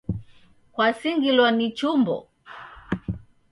Kwasingilwa ni chumbo